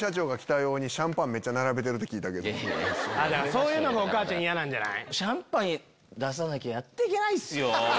そういうのがお母ちゃん嫌なんじゃない？